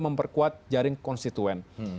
memperkuat jaring konstituen